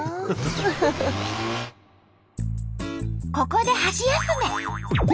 ここで箸休め。